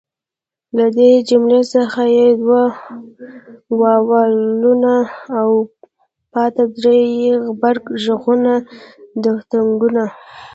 له دې جملې څخه ئې دوه واولونه او پاته درې ئې غبرګ ږغونه دیفتونګونه